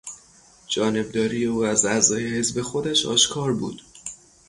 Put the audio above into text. جانبداری او از اعضای حزب خودش آشکار بود.